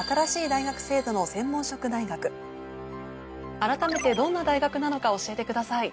今回調査したのは改めてどんな大学なのか教えてください。